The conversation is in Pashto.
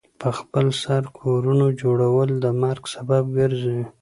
پخپل سر کورونو جوړول د مرګ سبب ګرځي.